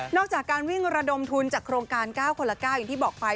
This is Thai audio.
จากการวิ่งระดมทุนจากโครงการ๙คนละ๙อย่างที่บอกไป